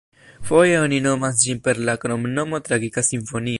Foje oni nomas ĝin per la kromnomo „tragika simfonio“.